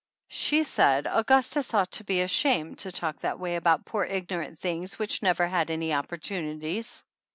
She said Augustus ought to be ashamed to talk that way about poor ignorant things which never had any op portunities